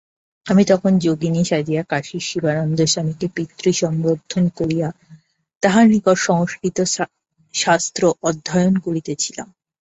আমি তখন যোগীনী সাজিয়া কাশীর শিবানন্দস্বামীকে পিতৃসম্বোধন করিয়া তাঁহার নিকট সংস্কৃত শাস্ত্র অধ্যয়ন করিতেছিলাম।